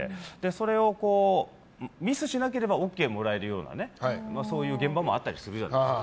それをミスしなければＯＫもらえるような現場もあったりするじゃないですか。